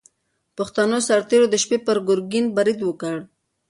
پښتنو سرتېرو د شپې پر ګورګین برید وکړ.